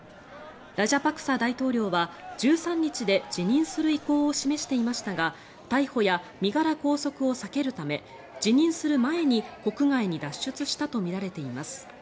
ラジャパクサ大統領は１３日で辞任する意向を示していましたが逮捕や身柄拘束を避けるため辞任する前に国外に脱出したとみられています。